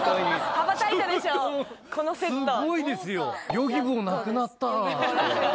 Ｙｏｇｉｂｏなくなりました。